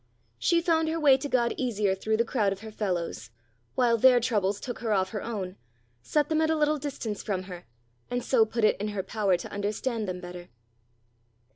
She found her way to God easier through the crowd of her fellows; while their troubles took her off her own, set them at a little distance from her, and so put it in her power to understand them better.